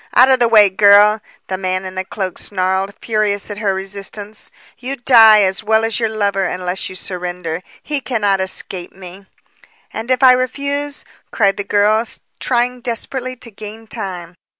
"Out of the way, girl," the man in the cloak snarled, furious at her resistance. "You die as well as your lover unless you surrender. He cannot escape me." "And if I refuse," cried the girl, trying desperately to gain time.